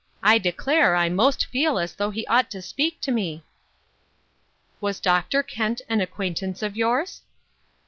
I declare I most feel as though he ought to speak to me." " Was Dr. Kent an acquaintance of yours